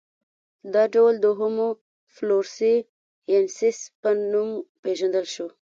دا ډول د هومو فلورسي ینسیس په نوم پېژندل شو.